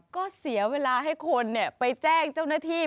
ก็เสียเวลาให้คนไปแจ้งเจ้าหน้าที่